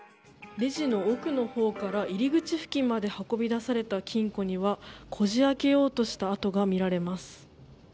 レジの奥のほうから入り口付近まで運び出された金庫にはこじ開けようとした跡が見られます。